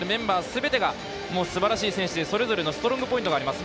すべてがすばらしい選手でそれぞれのストロングポイントがあります。